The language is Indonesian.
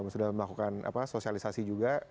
sudah melakukan sosialisasi juga